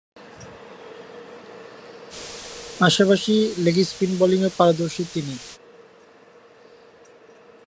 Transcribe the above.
পাশাপাশি leg spin বোলিংয়েও পারদর্শী তিনি।